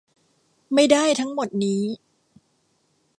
ไม่ได้ทั้งหมดนี้